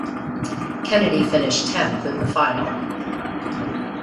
Kennedy finished tenth in the final.